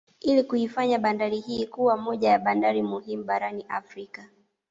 Ili kuifanya bandari hii kuwa moja ya bandari muhimu barani Afrika